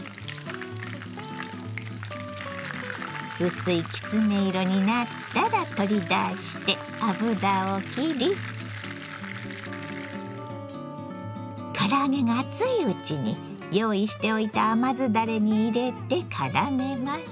薄いきつね色になったら取り出して油をきり唐揚げが熱いうちに用意しておいた甘酢だれに入れてからめます。